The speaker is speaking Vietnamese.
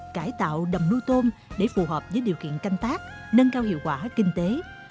cải tạo đầm nuôi tôm để phù hợp với điều kiện canh tác nâng cao hiệu quả kinh tế